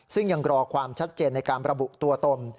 ซึ่งยังรอความชัดเจนในการระบุตัวตน